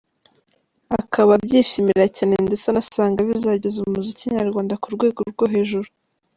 Akaba abyishimira cyane ndetse anasanga bizageza umuziki nyarwanda ku rwego rwo hejuru.